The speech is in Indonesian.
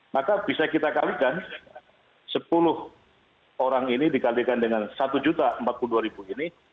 maka bisa kita kalikan sepuluh orang ini dikalikan dengan satu empat puluh dua ini